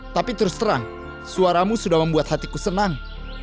tapi terus terang suaramu sudah membuat hatiku senang